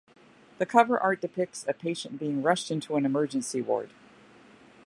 The cover-art depicts a patient being rushed into an emergency ward.